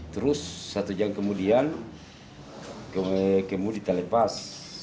terus satu jam kemudian kemudi telepas